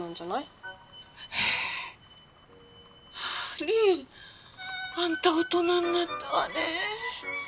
りんあんた大人になったわねぇ。